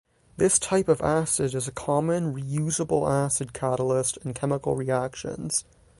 This type of acid is a common re-usable acid catalyst in chemical reactions.